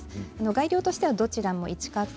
材料としてはどちらも１カップ。